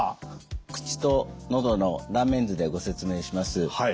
口と喉の断面図でご説明します。